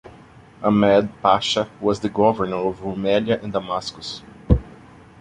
Ahmed Pasha was the governor of Rumelia and Damascus.